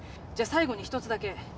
じゃあ最後に１つだけ。